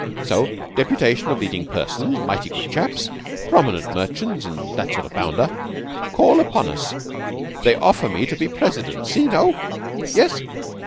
So deputation of leading persons, mighty good chaps, prominent merchants and that sort of bounder, call upon us. They offer me to be President. See? No? Yes?